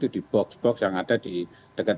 di box box yang ada di dekat